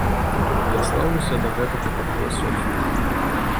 Я стаўлюся да гэтага па-філасофску.